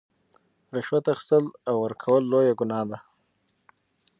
رشوت اخیستل او ورکول لویه ګناه ده.